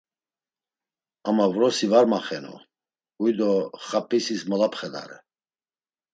Ama vrosi var maxenu, huy do xap̌isis molapxedare.